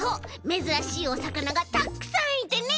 めずらしいおさかながたくさんいてね。